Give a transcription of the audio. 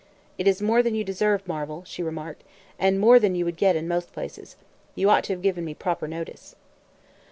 "It is more than you deserve, Marvel," she remarked, "and more than you would get in most places. You ought to have given me proper notice."